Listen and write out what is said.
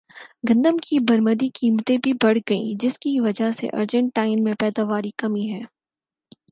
گندم کی برمدی قیمتیں بھی بڑھ گئیں جس کی وجہ سے ارجنٹائن میں پیداواری کمی ہے